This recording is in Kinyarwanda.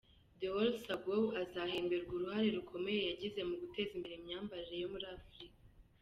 Deola Sagoe, azahemberwa uruhare rukomeye yagize mu guteza imbere imyambarire yo muri Africa.